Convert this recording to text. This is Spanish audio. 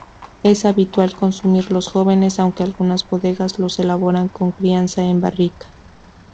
Es habitual consumirlos jóvenes, aunque algunas bodegas los elaboran con crianza en barrica.